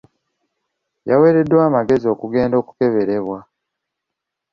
Yaweereddwa amagezi okugenda okukeberebwa.